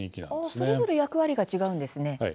それぞれ役割が違うんですね。